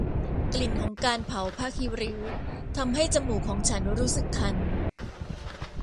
กลิ่นของการเผาผ้าขี้ริ้วทำให้จมูกของฉันรู้สึกคัน